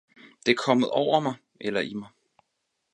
Det er kommet over mig eller i mig.